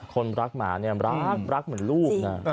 คนรักหมาเนี่ยรักรักเหมือนลูกนะ